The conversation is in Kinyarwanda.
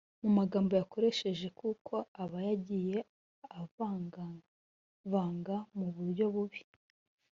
mu magambo yakoresheje kuko aba yagiye avangavanga mu buryo bubi”.